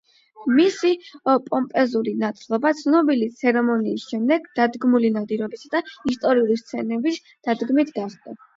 მისი პომპეზური ნათლობა ცნობილი ცერემონიის შემდეგ დადგმული ნადირობისა და ისტორიული სცენების დადგმით გახდა.